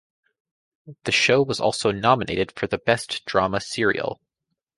The show was also nominated for the Best Drama Serial.